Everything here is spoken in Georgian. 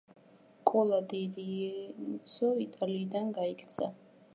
კოლა დი რიენცო იტალიიდან გაიქცა.